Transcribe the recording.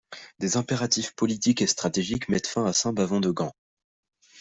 Des impératifs politiques et stratégiques mettent fin à Saint-Bavon de Gand.